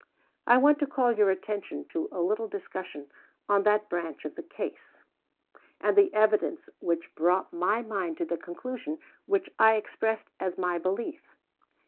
I want to call your attention to a little discussion on that branch of the case, and the evidence which brought my mind to the conclusion which I expressed as my belief.